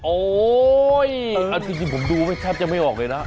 โอ้ยจริงผมดูไม่ทัพจะไม่ออกเลยนะ